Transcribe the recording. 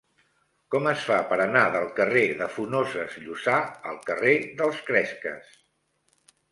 Com es fa per anar del carrer de Funoses Llussà al carrer dels Cresques?